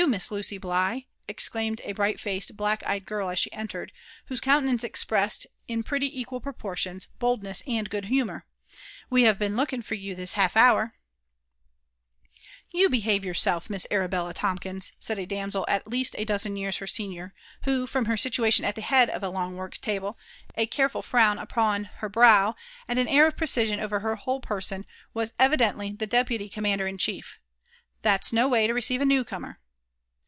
Miss Lucy Bligh?" exclaimed a bright faced, black eyed girl as she entered, whose countenance expressed, in pretty equa proportions, boldness and good humour: '' we have been looking for you this half hour." ttD Uam AND ADVENTCKES Of You foehava yoursdf , Mi^g Arabella Tamtias/^ said « damMl nt least a dozen years her senior, who, from lier silualton at the head of a loDg work labic, a care^ui frown upon her t>row, and an airaf {K eciston over her whole |)crson, was evidently the deputy eoaimaoder iiiH^ef :*' that's no way lo r<»ceive a new comer."